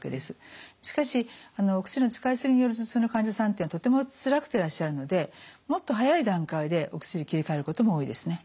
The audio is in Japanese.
しかしお薬の使いすぎによる頭痛の患者さんというのはとてもつらくていらっしゃるのでもっと早い段階でお薬切り替えることも多いですね。